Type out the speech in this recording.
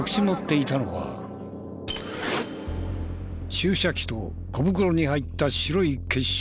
注射器と小袋に入った白い結晶。